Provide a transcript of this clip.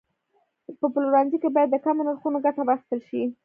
په پلورنځي کې باید د کمو نرخونو ګټه واخیستل شي.